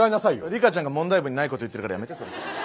リカちゃんが問題文にないこと言ってるからやめてそれ。